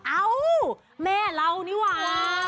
เอ้าแม่เรานี่หว่า